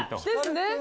ですね。